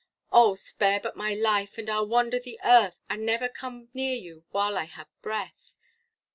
Oh! spare but my life and I'll wander the earth, And never come near you while I have breath.